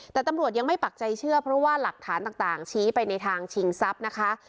แต่ตำรวจยังไม่ปักใจเชื่อเพราะว่าหลักฐานต่างชี้ไปในทางชิงทรัพย์นะคะ